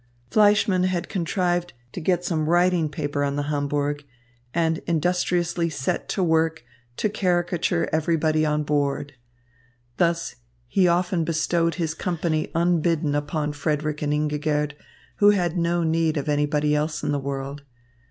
Fleischmann had contrived to get some writing paper on the Hamburg, and industriously set to work to caricature everybody on board. Thus, he often bestowed his company unbidden upon Frederick and Ingigerd, who had no need of anybody else in the world.